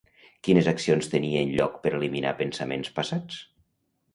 Quines accions tenien lloc per eliminar pensaments passats?